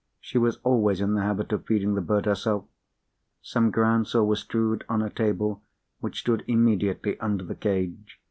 She was always in the habit of feeding the bird herself. Some groundsel was strewed on a table which stood immediately under the cage.